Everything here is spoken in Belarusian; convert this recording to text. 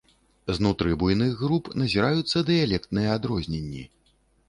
Знутры буйных груп назіраюцца дыялектныя адрозненні.